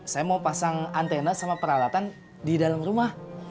saya mau pasang antena sama peralatan di dalam rumah